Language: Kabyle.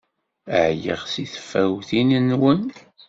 Ɛyiɣ seg tfawtin-nwen!